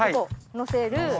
のせる。